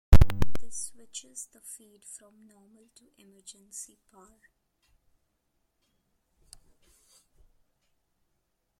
This switches the feed from normal to emergency power.